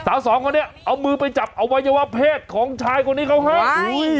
สาวสองคนนี้เอามือไปจับอวัยวะเพศของชายคนนี้เขาให้อุ้ย